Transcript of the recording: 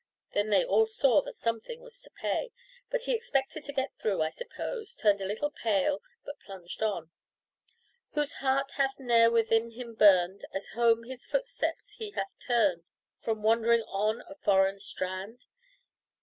Then they all saw that something was to pay; but he expected to get through, I suppose, turned a little pale, but plunged on, "Whose heart hath ne'er within him burned, As home his footsteps he hath turned From wandering on a foreign strand?